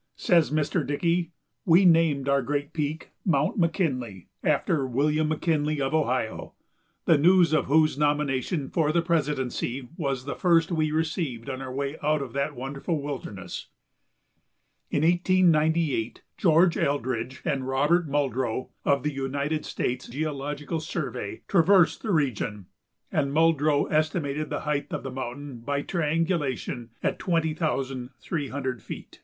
Says Mr. Dickey: "We named our great peak Mount McKinley, after William McKinley, of Ohio, the news of whose nomination for the presidency was the first we received on our way out of that wonderful wilderness." In 1898 George Eldridge and Robert Muldrow, of the United States Geological Survey, traversed the region, and Muldrow estimated the height of the mountain by triangulation at twenty thousand three hundred feet.